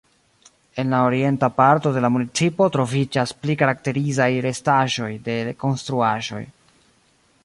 En la orienta parto de la municipo troviĝas pli karakterizaj restaĵoj de konstruaĵoj.